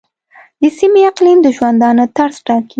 د سیمې اقلیم د ژوندانه طرز ټاکي.